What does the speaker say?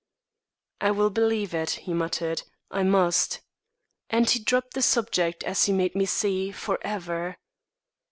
"I will believe it," he muttered, "I must." And he dropped the subject, as he made me see, forever.